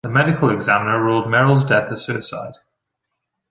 The medical examiner ruled Merrill's death a suicide.